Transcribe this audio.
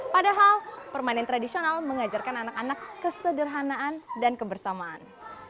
padahal permainan tradisional mengajarkan anak anak kesederhanaan dan kebersamaan